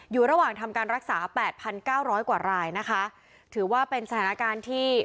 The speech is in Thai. อยู่ระหว่างทำการรักษาแปดพันเก้าร้อยกว่ารายนะคะถือว่าเป็นสถานการณ์ที่